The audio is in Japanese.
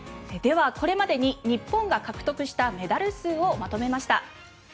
これまでに日本が獲得したメダル数をまとめました。